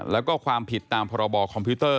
แล้วก็ความผิดตามพรบคอมพิวเตอร์